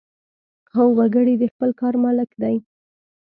هر وګړی د خپل کار مالک دی.